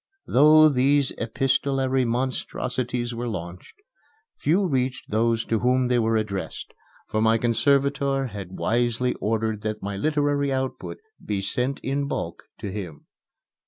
Though these epistolary monstrosities were launched, few reached those to whom they were addressed; for my conservator had wisely ordered that my literary output be sent in bulk to him.